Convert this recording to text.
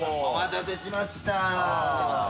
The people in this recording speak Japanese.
お待たせしました。